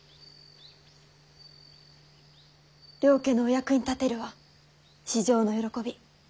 両家のお役に立てるは至上の喜び。